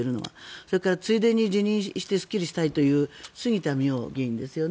それからついでに辞任してすっきりしたいという杉田水脈ですよね。